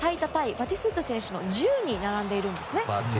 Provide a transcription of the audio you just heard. バティストゥータ選手の１０に並んでいるんですね。